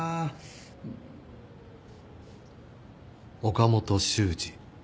岡本修二。